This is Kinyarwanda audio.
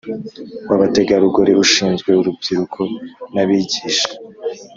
W abategarugori ushinzwe urubyiruko n abigisha